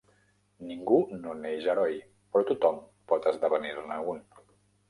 Ningú no neix heroi, però tothom pot esdevenir-ne un.